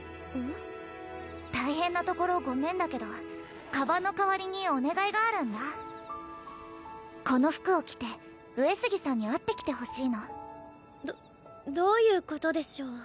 大変なところごめんだけどカバンの代わりにお願いがあるんだこの服を着て上杉さんに会ってきてほしいのどどういうことでしょう？